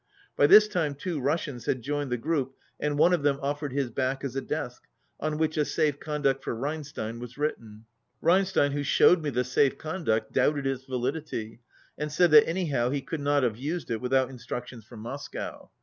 By this time two Russians had joined the group, and one of them offered his back as a desk, on which a safe conduct for Rein stein was written. Reinstein, who showed me the safe conduct, doubted its validity, and said that anyhow he could not have used it without instruc tions from Moscow.